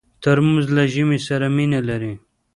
ترموز له ژمي سره مینه لري.